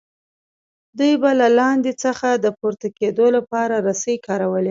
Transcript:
دوی به له لاندې څخه د پورته کیدو لپاره رسۍ کارولې.